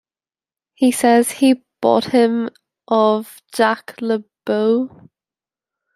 He says he bought him of Jacques Le Beau.